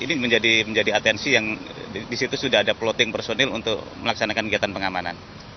ini menjadi atensi yang disitu sudah ada plotting personil untuk melaksanakan kegiatan pengamanan